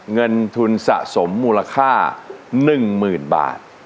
เงินทุนสะสมมูลค่า๑๐๐๐บาท